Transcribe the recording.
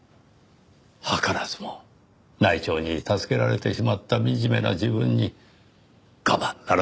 図らずも内調に助けられてしまった惨めな自分に我慢ならなかった。